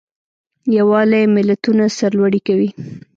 یووالی ملتونه سرلوړي کوي.